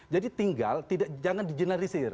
jadi tinggal tidak jangan di generisir